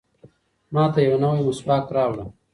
ماته یو نوی مسواک راوړه.